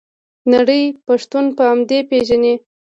نړۍ پښتون په همدې پیژني.